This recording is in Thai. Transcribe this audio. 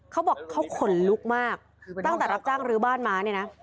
เขาบอกเขาขนลุกมากตั้งแต่รับจ้างรื้อบ้านมาเนี่ยนะ